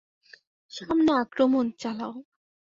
সামনে আক্রমণ চালাও!